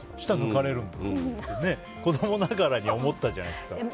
舌、抜かれるんだって子供ながらに思ったじゃないですか。